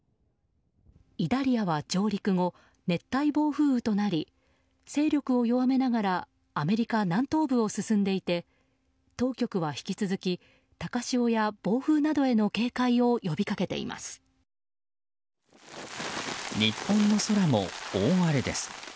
イダリアは上陸後熱帯暴風雨となり勢力を弱めながらアメリカ南東部を進んでいて当局は引き続き高潮や暴風などへの警戒を日本の空も大荒れです。